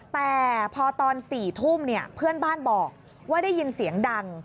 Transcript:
แต่พอตอน๔ทุ่มเพื่อนบ้านบอกว่าได้ยินเสียงดัง